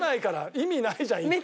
意味ないじゃん行った。